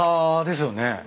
ですよね。